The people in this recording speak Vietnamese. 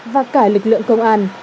và cả lực lượng công an